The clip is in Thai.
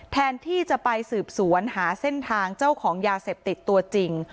แทนที่จะไปสืบสวนหาเส้นทางเจ้าของยาเสพติดตัวจริง